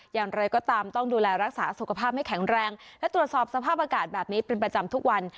อย่างไรก็ตามต้องดูแลรักษาสุขภาพให้แข็งแรงและตรวจสอบสภาพอากาศแบบนี้เป็นประจำทุกวัน